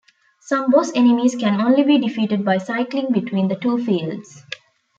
Some boss enemies can only be defeated by cycling between the two fields.